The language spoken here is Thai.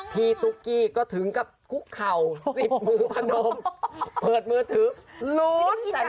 พี่ตุ๊กกี้ก็ถึงกับคุกเข่าสิบมือพะนมเปิดมือถือลุ้นแต่ลุ้น